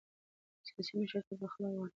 سیاسي مشرتابه اخلاق غواړي